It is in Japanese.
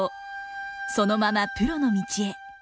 そのままプロの道へ。